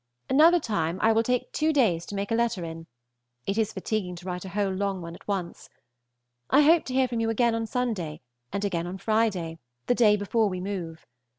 Another time I will take two days to make a letter in: it is fatiguing to write a whole long one at once. I hope to hear from you again on Sunday and again on Friday, the day before we move.